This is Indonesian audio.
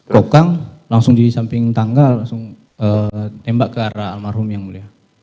kokang langsung di samping tangga langsung tembak ke arah almarhum yang mulia